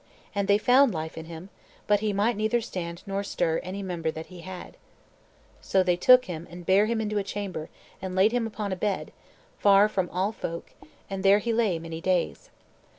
And they found life in him, but he might neither stand nor stir any member that he had. So they took him and bare him into a chamber, and laid him upon a bed, far from all folk, and there he lay many days.